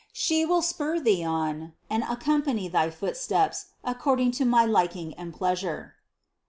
She will spur thee onward and accompany thy footsteps according to my liking and pleasure."